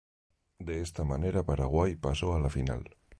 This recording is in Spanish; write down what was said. De esta manera Paraguay pasó a la final.